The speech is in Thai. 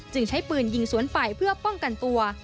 ใช้ปืนยิงสวนไปเพื่อป้องกันตัว